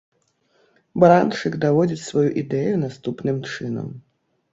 Баранчык даводзіць сваю ідэю наступным чынам.